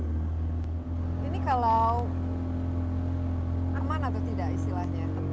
ini kalau aman atau tidak istilahnya